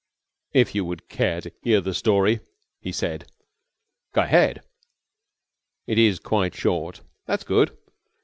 "If you would care to hear the story?" he said. "Go ahead." "It is quite short." "That's good."